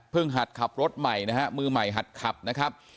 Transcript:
หัดขับรถใหม่นะฮะมือใหม่หัดขับนะครับ